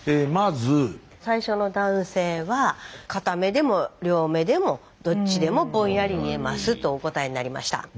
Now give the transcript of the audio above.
まず。最初の男性は片目でも両目でもどっちでもぼんやり見えますとお答えになりました。